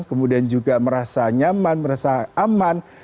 kemudian juga merasa nyaman merasa aman